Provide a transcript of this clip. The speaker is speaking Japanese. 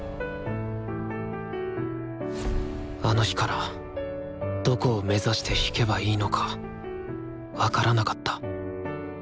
あの日からどこを目指して弾けばいいのか分からなかった。